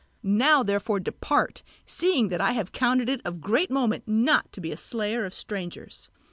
Now therefore depart, seeing that I have counted it of great moment not to be a slayer of strangers.